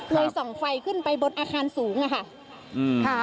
ส่องไฟขึ้นไปบนอาคารสูงอะค่ะ